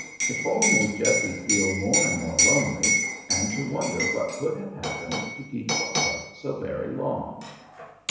It all made Jessie feel more and more lonely, and to wonder what could have happened to keep papa so very long.